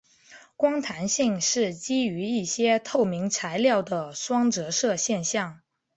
光弹性是基于一些透明材料的双折射现象。